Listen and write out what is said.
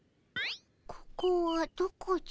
ここはどこじゃ？